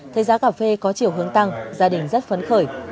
thấy giá cà phê có chiều hướng tăng gia đình rất phấn khởi